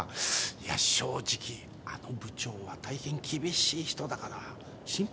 いや正直あの部長は大変厳しい人だから心配してたんだよ。